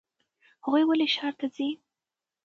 هغوی ولې ښار ته ځي؟